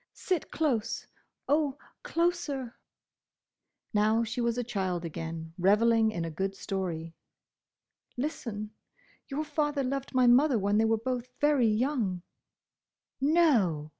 "Sit close! Oh, closer!" Now she was a child again, revelling in a good story. "Listen. Your father loved my mother when they were both very young—" "No!"